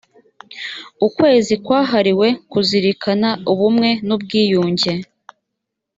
ukwezi kwahariwe kuzirikana ubumwe n ubwiyunge